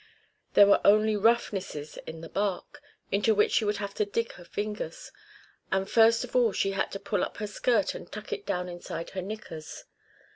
There were only roughnesses in the bark, into which she would have to dig her fingers, and first of all she had to pull up her skirt and tuck it down inside her knickers.